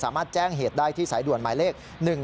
แจ้งเหตุได้ที่สายด่วนหมายเลข๑๒